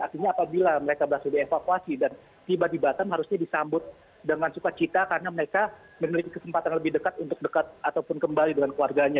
artinya apabila mereka berhasil dievakuasi dan tiba di batam harusnya disambut dengan sukacita karena mereka memiliki kesempatan lebih dekat untuk dekat ataupun kembali dengan keluarganya